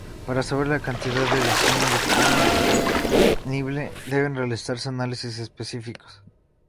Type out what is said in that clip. Para saber la cantidad de lisina disponible deben realizarse análisis específicos.